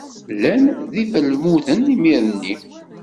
Llan d ibalmuden imir-nni.